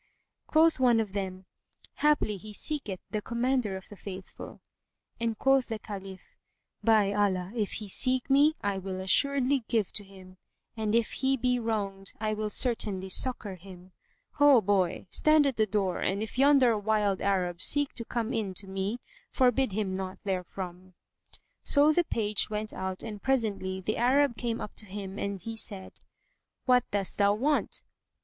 Quoth one of them, "Haply he seeketh the Commander of the Faithful;" and quoth the Caliph, "By Allah, if he seek me, I will assuredly give to him, and if he be wronged, I will certainly succour him. Ho, boy! Stand at the door, and if yonder wild Arab seek to come in to me, forbid him not therefrom." So the page went out and presently the Arab came up to him and he said, "What dost thou want?"